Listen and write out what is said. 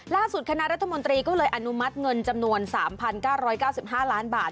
คณะรัฐมนตรีก็เลยอนุมัติเงินจำนวน๓๙๙๕ล้านบาท